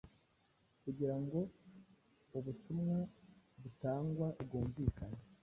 kugira ngo ubutumwa butangwa bwumvikane